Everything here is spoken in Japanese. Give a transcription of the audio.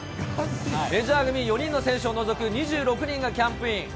メジャー組４人の選手を除く２６人がキャンプイン。